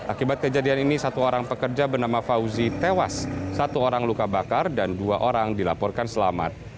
akibat kejadian ini satu orang pekerja bernama fauzi tewas satu orang luka bakar dan dua orang dilaporkan selamat